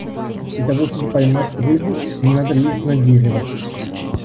Для того чтобы поймать рыбу, не надо лезть на дерево.